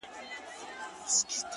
ستا د هغې ورځې; د هغې خندا; هغه تاثير;